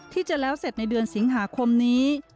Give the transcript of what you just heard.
ที่จะแล้วเสร็จในเดือนสิงหาคมนี้